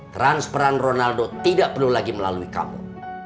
transferan ronaldo tidak perlu lagi melalui kamu